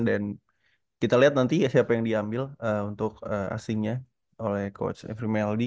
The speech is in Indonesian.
dan kita liat nanti ya siapa yang diambil eh untuk eh asingnya oleh coach evrim eldi